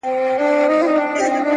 هره لاسته راوړنه له حوصلې پیاوړې کېږي.